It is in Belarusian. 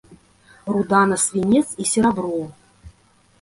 Руда на свінец і серабро.